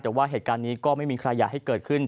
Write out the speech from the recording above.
แต่ว่าเหตุการณ์นี้ก็ไม่มีใครอยากให้เกิดขึ้น